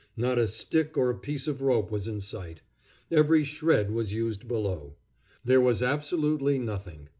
Not a stick or a piece of rope was in sight. Every shred was used below. There was absolutely nothing.